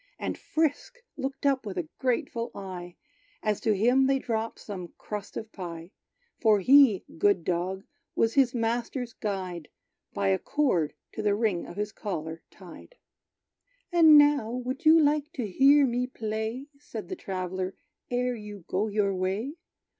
And Frisk looked up with a grateful eye, As to him they dropped some crust of pie: For he, good dog, was his master's guide, By a cord to the ring of his collar tied. "And now, would you like to hear me play," Said the traveller, "ere you go your way?